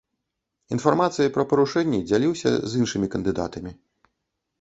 Інфармацыяй пра парушэнні дзяліўся з іншымі кандыдатамі.